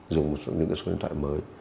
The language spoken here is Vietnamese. dùng một số những số điện thoại mới